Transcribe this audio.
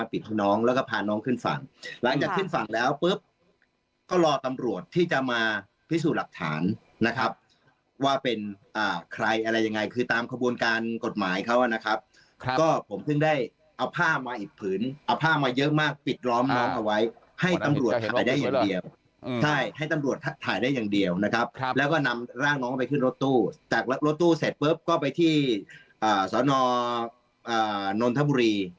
ปิดน้องแล้วก็พาน้องขึ้นฝั่งหลังจากขึ้นฝั่งแล้วปุ๊บก็รอตำรวจที่จะมาพิสูจน์หลักฐานนะครับว่าเป็นใครอะไรยังไงคือตามขบวนการกฎหมายเขานะครับก็ผมเพิ่งได้เอาผ้ามาอีกผืนเอาผ้ามาเยอะมากปิดล้อมน้องเอาไว้ให้ตำรวจถ่ายได้อย่างเดียวใช่ให้ตำรวจถ่ายได้อย่างเดียวนะครับแล้วก็นำร่างน้องไปขึ้นรถตู้จากรถตู้เสร็จปุ๊บก็ไปที่สอนอนนทบุรี